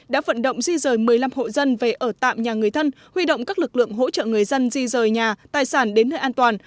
đã vận động di rời một mươi năm hộ dân về ở tạm nhà người thân huy động các lực lượng hỗ trợ người dân di rời nhà tài sản đến nơi an toàn